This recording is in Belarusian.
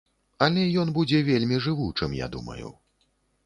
Але ён будзе вельмі жывучым, я думаю.